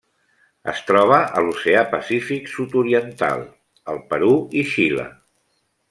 Es troba a l'Oceà Pacífic sud-oriental: el Perú i Xile.